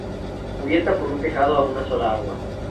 Cubierta por un tejado a una sola agua.